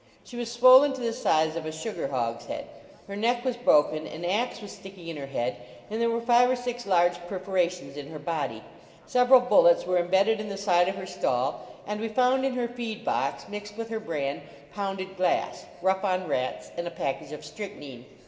She was swollen to the size of a sugar hogs head, her neck was broken, an ax was stick ing in her head, and there were five or six large perforations in her body. Several bul lets were imbedded in the side of her stall, and we found in her feed box, mixed with 254 HOUSEHOLD PETS her bran, pounded glass, Rough on Rats, and a package of strychnine.